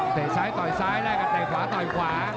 เตะซ้ายต่อยซ้ายแล้วก็เตะขวาต่อยขวา